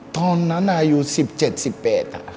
ตอนนั้นอายุ๑๗๑๘อะ